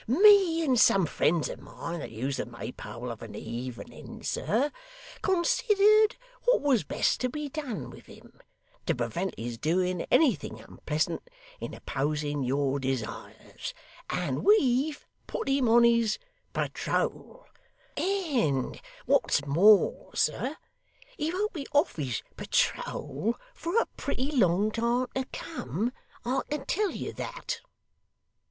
Me and some friends of mine that use the Maypole of an evening, sir, considered what was best to be done with him, to prevent his doing anything unpleasant in opposing your desires; and we've put him on his patrole. And what's more, sir, he won't be off his patrole for a pretty long time to come, I can tell you that.